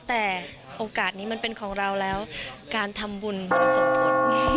แต่โอกาสนี้มันเป็นของเราแล้วการทำบุญบริสมผล